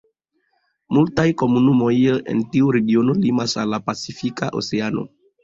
Multaj komunumoj en tiu regiono limas al la pacifika oceano.